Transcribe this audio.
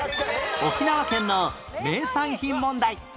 沖縄県の名産品問題